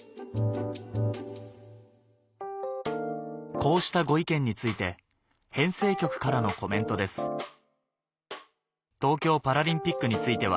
こうしたご意見について編成局からのコメントですが届いています。